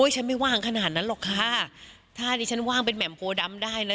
ฉันไม่ว่างขนาดนั้นหรอกค่ะถ้าดิฉันว่างเป็นแหม่มโพดำได้นะ